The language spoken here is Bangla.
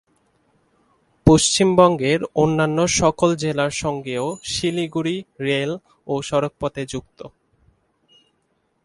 পশ্চিমবঙ্গের অন্যান্য সকল জেলার সঙ্গেও শিলিগুড়ি রেল ও সড়কপথে যুক্ত।